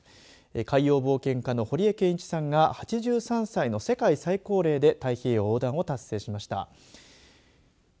海洋冒険家の堀江謙一さんが８３歳の世界最高齢で太平洋横断を達成しました。